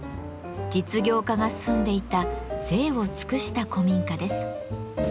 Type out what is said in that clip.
実業家が住んでいた贅を尽くした古民家です。